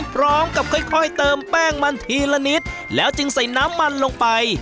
พร้อมกับค่อยเติมแป้งมันทีละนิดแล้วจึงใส่น้ำมันลงไป